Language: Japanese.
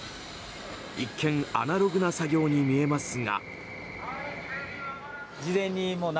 一見、アナログな作業に見えますが。